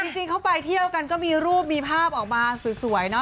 จริงเขาไปเที่ยวกันก็มีรูปมีภาพออกมาสวยเนาะ